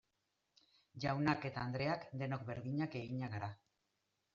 Jaunak eta andreak denok berdinak eginak gara.